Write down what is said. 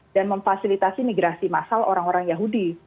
dan memfasilitasi migrasi masal orang orang yahudi